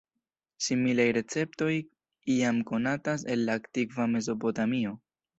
Similaj receptoj jam konatas el la antikva Mezopotamio.